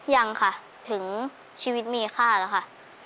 ยังค่ะถึงชีวิตมีค่าแล้วค่ะ